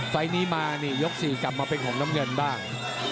ไฟล์นี้มานี่ยก๔กลับมาเป็นของน้ำเงินบ้าง